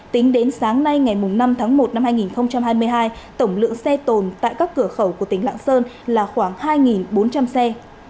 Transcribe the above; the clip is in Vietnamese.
tính đến sáng nay ngày năm tháng một năm hai nghìn hai mươi hai tổng lượng xe tồn tại các cửa khẩu của tỉnh lạng sơn là khoảng hai bốn trăm linh xe